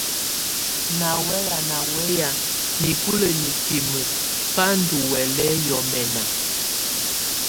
Nà wɛ̀yɛ̀á nà nɛ̀áyɛ̀á nikulǝ́ nikimǝ́ bá ndù huɛ̀lɛ nyɔ̀nɛ̀na.